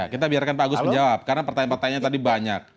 kita biarkan pak agus menjawab karena pertanyaan pertanyaan tadi banyak